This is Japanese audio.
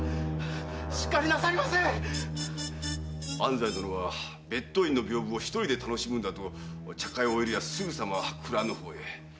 安西殿は別当院の屏風を一人で楽しむのだと茶会を終えるやすぐさま蔵の方へ。